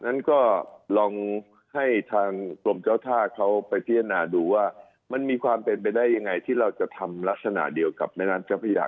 นั้นก็ลองให้ทางกรมเจ้าท่าเขาไปพิจารณาดูว่ามันมีความเป็นไปได้ยังไงที่เราจะทำลักษณะเดียวกับแม่น้ำเจ้าพระยา